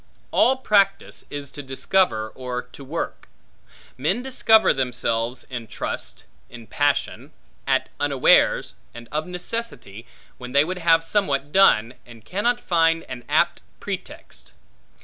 All practice is to discover, or to work. Men discover themselves in trust, in passion, at unawares, and of necessity, when they would have somewhat done, and cannot find an apt pretext.